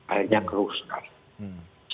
akhirnya keruh sekali